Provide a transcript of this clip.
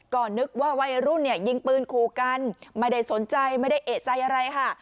ก็นึกว่าวัยรุ่นเนี่ยยิงปืนขู่กันไม่ได้สนใจไม่ได้เอกใจอะไรค่ะ